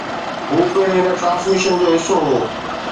هو پڻ هن ٽرانسميشن جو حصو هو